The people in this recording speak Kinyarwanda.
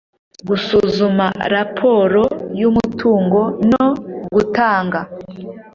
gusuzuma raporo z umutungo no gutanga